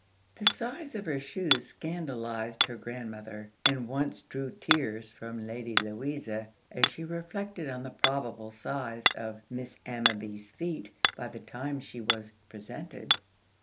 The size of her shoes scandalized her grandmother, and once drew tears from Lady Louisa as she reflected on the probable size of Miss Ammaby's feet by the time she was "presented."